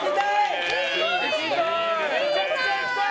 めちゃくちゃ行きたい！